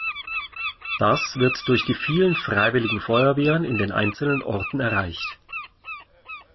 Das wird durch die vielen Freiwilligen Feuerwehren in den einzelnen Orten erreicht.